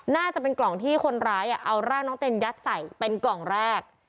น่าจะเป็นกล่องที่คนร้ายเอาร่างน้องเต็นยัดใส่เป็นกล่องแรก